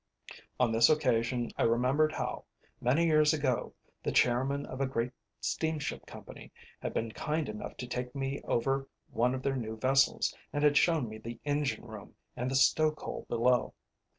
On this occasion I remembered how, many years ago, the Chairman of a great Steamship Company had been kind enough to take me over one of their new vessels, and had shown me the engine room and the stoke hole below.